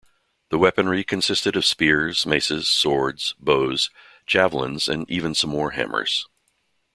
The weaponry consisted of spears, maces, swords, bows, javelins and even some war hammers.